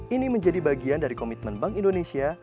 ini menjadi bagian dari komitmen bank indonesia